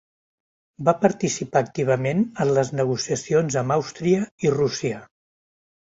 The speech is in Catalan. Va participar activament en les negociacions amb Àustria i Rússia.